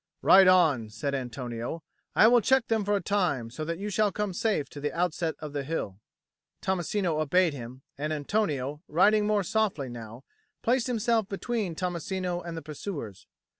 "Ride on," said Antonio. "I will check them for a time, so that you shall come safe to the outset of the hill." Tommasino obeyed him; and Antonio, riding more softly now, placed himself between Tommasino and the pursuers.